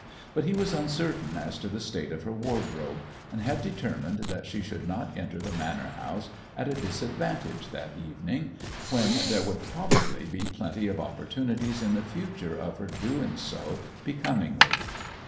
But he was uncertain as to the state of her wardrobe, and had determined that she should not enter the manor house at a disadvantage that evening, when there would probably be plenty of opportunities in the future of her doing so becomingly.